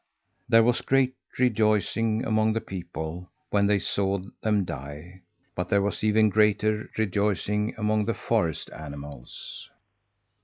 There was great rejoicing among the people when they saw them die, but there was even greater rejoicing among the forest animals.